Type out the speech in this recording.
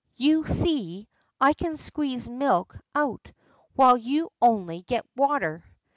"You see, I can squeeze milk out, while you only get water."